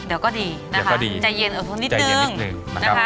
เดี๋ยวก็ดีนะคะใจเย็นเอาทุกคนนิดนึง